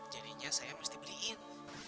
jadinya saya mesti beliin